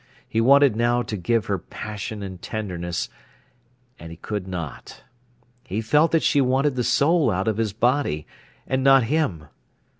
He wanted now to give her passion and tenderness, and he could not. He felt that she wanted the soul out of his body, and not him.